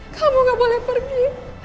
kamu gak boleh pergi